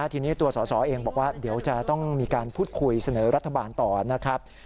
ทีนี้ตัวสอสอเองบอกว่าเดี๋ยวจะต้องมีการพูดคุยเสนอรัฐบาลต่อนะครับ